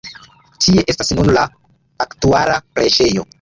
Tie estas nun la aktuala preĝejo.